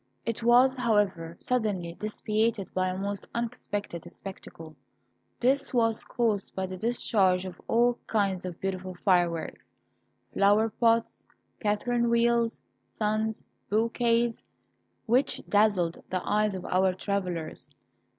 It was, however, suddenly dissipated by a most unexpected spectacle. This was caused by the discharge of all kinds of beautiful fireworks flowerpots, catherine wheels, suns, bouquets, which dazzled the eyes of our travellers.